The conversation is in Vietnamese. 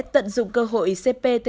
tận dụng cơ hội cptpp tại việt nam